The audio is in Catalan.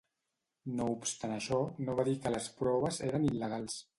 No obstant això, no va de dir que les proves eren il·legals.